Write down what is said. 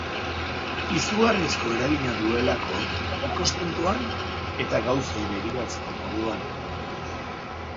Izugarrizko eragina duelako, ikuspuntuan eta gauzei begiratzeko moduan.